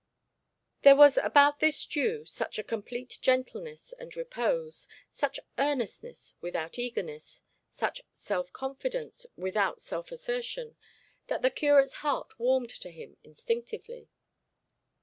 There was about this Jew such a complete gentleness and repose, such earnestness without eagerness, such self confidence without self assertion, that the curate's heart warmed to him instinctively.